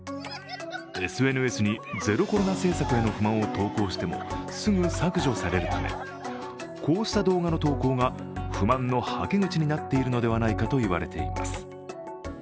ＳＮＳにゼロコロナ政策への不満を投稿してもすぐ削除されるため、こうした動画の投稿が不満のはけ口になっているのではないかといわれています。